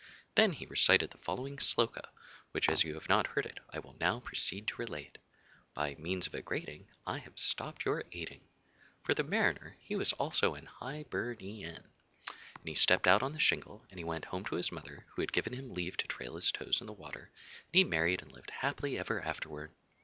Then he recited the following Sloka, which, as you have not heard it, I will now proceed to relate By means of a grating I have stopped your ating. For the Mariner he was also an Hi ber ni an. And he stepped out on the shingle, and went home to his mother, who had given him leave to trail his toes in the water; and he married and lived happily ever afterward.